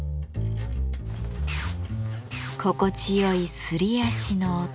心地よいすり足の音。